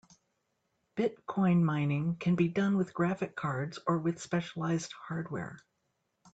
Bitcoin mining can be done with graphic cards or with specialized hardware.